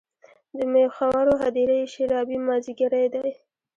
د میخورو هـــــدیره یې شــــــرابي مــــاځیګری دی